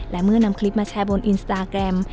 และเมื่อนำคลิปมาแชร์บนอินสตาแกรม